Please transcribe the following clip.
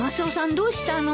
どうしたの？